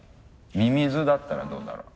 ミミズだったらどうだろう？